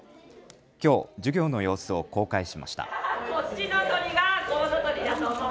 きょう授業の様子を公開しました。